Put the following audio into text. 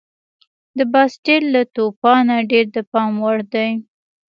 د باسټیل له توپانه ډېر د پام وړ دي.